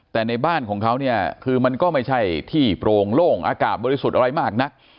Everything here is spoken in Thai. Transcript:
แต่ในบ้านของเขาเนี่ยคือมันก็ไม่ใช่ที่โปร่งโล่งอากาศบริสุทธิ์อะไรมากนัก